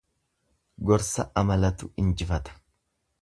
Gorsa amalatu injifata.